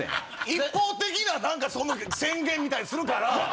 一方的な何かその宣言みたいにするから。